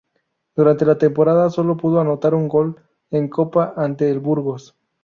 Durante la temporada solo pudo anotar un gol en Copa ante el Burgos.